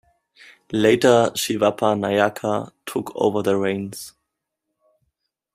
Later Shivappa Nayaka took over the reins.